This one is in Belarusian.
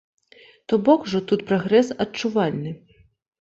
То бок ужо тут прагрэс адчувальны.